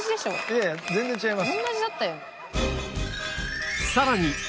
いやいや全然違います。